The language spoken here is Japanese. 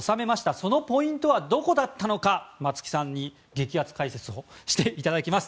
そのポイントはどこだったのか松木さんに激アツ解説をしていただきます。